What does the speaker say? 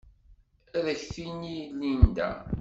Ad ak-t-tini Linda.